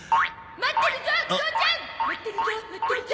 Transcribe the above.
待ってるゾ父ちゃん！